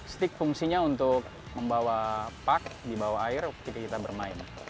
stik fungsinya untuk membawa park di bawah air ketika kita bermain